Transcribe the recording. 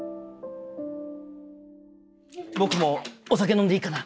僕もお酒飲んでいいかな。